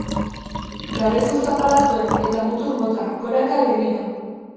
Garezur zapala zuen, eta mutur motza, goraka begira.